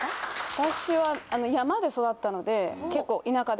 私は山で育ったので結構田舎で。